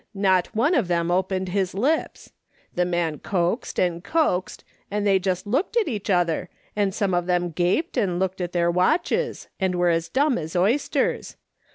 Not one of them opened his lips. The man coaxed, and coaxed, and they just looked at each other, and some of them gaped and looked at their watches, and were as dumb as oysters.